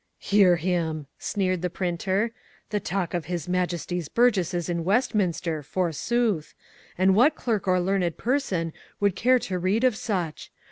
"Hear him!" sneered the printer, "the talk of his Majesty's burgesses in Westminster, forsooth! And what clerk or learned person would care to read of such?